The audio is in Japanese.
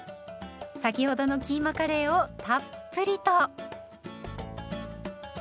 先ほどのキーマカレーをたっぷりと。